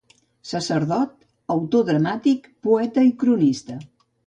Sacerdot, autor dramàtic, poeta i cronista.